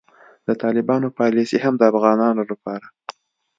د طالبانو پالیسي هم د افغانانو لپاره